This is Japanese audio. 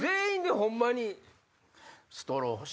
ホンマに。